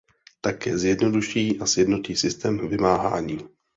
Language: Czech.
Také zjednoduší a sjednotí systém vymáhání.